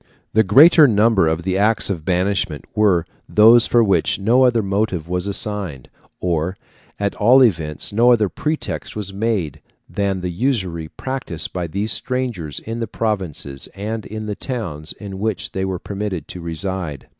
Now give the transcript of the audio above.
The greater number of the acts of banishment were those for which no other motive was assigned, or, at all events, no other pretext was made, than the usury practised by these strangers in the provinces and in the towns in which they were permitted to reside.